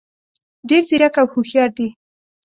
ډېر ځیرک او هوښیار دي.